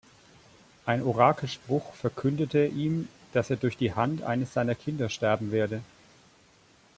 Ein Orakelspruch verkündete ihm, dass er durch die Hand eines seiner Kinder sterben werde.